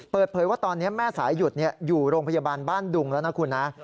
เปิดเผยว่าตอนนี้แม่สายหยุดอยู่โรงพยาบาลบ้านดุงแล้วนะคุณนะ